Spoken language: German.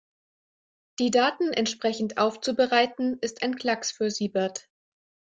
Die Daten entsprechend aufzubereiten, ist ein Klacks für Siebert.